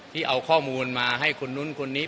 ที่เอาข้อมูลมาให้คนนู้นคนนี้